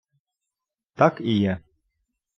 Так і є.